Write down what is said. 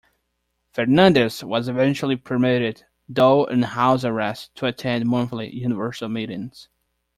Fernandez was eventually permitted, though on house arrest, to attend monthly universal meetings.